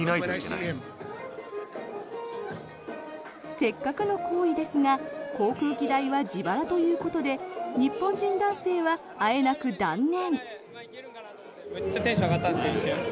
せっかくの厚意ですが航空機代は自腹ということで日本人男性はあえなく断念。